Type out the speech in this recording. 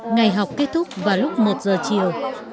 ngày học kết thúc vào lúc một giờ chiều